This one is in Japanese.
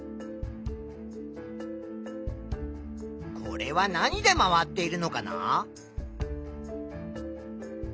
これは何で回っているのかな？